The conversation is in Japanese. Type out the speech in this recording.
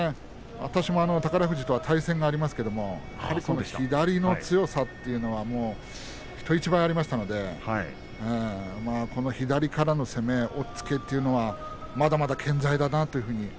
私も宝富士とは対戦がありますけれども左の強さというのは人一倍ありましたので左からの攻め押っつけというのはまだまだ健在だな